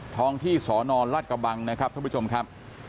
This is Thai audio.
ท้องที่สนรัฐกระบังนะครับท่านผู้ชมครับ